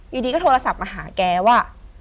อยู่ดีก็โทรศัพท์มาหาแกว่า